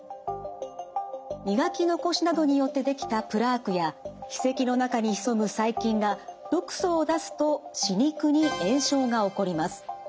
磨き残しなどによって出来たプラークや歯石の中に潜む細菌が毒素を出すと歯肉に炎症が起こります。